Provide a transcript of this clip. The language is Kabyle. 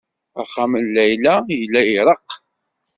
Axxam n Layla yella la ireɣɣ.